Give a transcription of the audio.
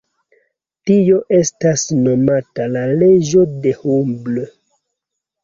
Tio estas nomata la leĝo de Hubble.